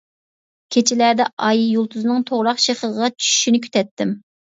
كېچىلەردە ئاي، يۇلتۇزنىڭ توغراق شېخىغا چۈشۈشىنى كۈتەتتىم.